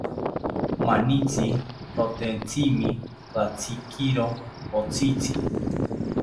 Manitzi rotentzimi ratzikiri otzitzi